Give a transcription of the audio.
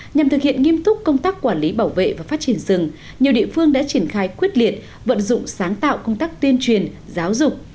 nhằm thực hiện nghiêm túc công tác quản lý bảo vệ và phát triển rừng nhiều địa phương đã triển khai quyết liệt vận dụng sáng tạo công tác tuyên truyền giáo dục